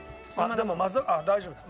でもあっ大丈夫だ。